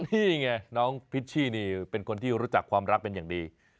นี่ไงน้องพิชชี่นี่เป็นคนที่รู้จักความรักเป็นอย่างดี